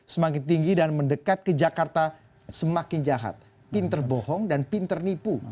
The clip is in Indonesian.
semakin tinggi dan mendekat ke jakarta semakin jahat pinter bohong dan pinter nipu